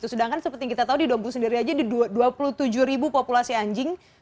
sedangkan seperti yang kita tahu di dompu sendiri aja di dua puluh tujuh ribu populasi anjing